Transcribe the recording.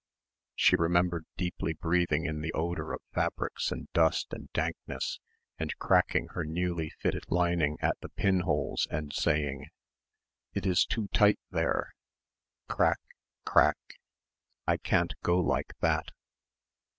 She remembered deeply breathing in the odour of fabrics and dust and dankness and cracking her newly fitted lining at the pinholes and saying, "It is too tight there" crack crack. "I can't go like that."